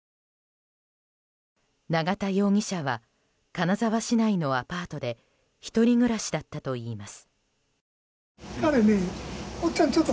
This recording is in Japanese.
永田容疑者は金沢市内のアパートで１人暮らしだったといいます。